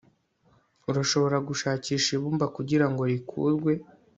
Urashobora gushakisha ibumba kugirango rikurwe